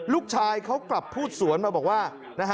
ลูกชายเขากลับพูดสวนมาบอกว่า